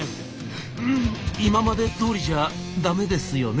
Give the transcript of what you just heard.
「うん今までどおりじゃ駄目ですよね？」。